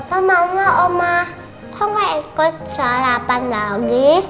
pak maunya omah kok gak ikut sarapan lagi